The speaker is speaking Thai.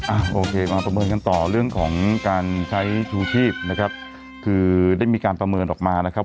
โอเคมาประเมินกันต่อเรื่องของการใช้ชูชีพนะครับคือได้มีการประเมินออกมานะครับ